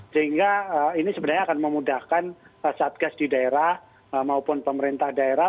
sehingga ini sebenarnya akan memudahkan satgas di daerah maupun pemerintah daerah